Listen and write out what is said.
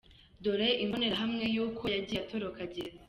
Dore imbonerahamwe y'uko yagiye atoroka gereza.